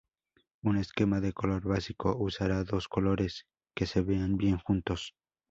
Un esquema de color básico, usará dos colores que se vean bien juntos.